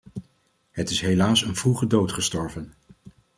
Het is helaas een vroege dood gestorven.